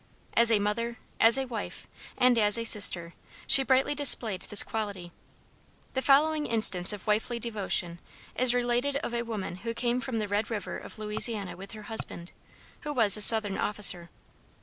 As a mother, as a wife, and as a sister, she brightly displayed this quality. The following instance of wifely devotion is related of a woman who came from the Red River of Louisiana with her husband, who was a Southern officer.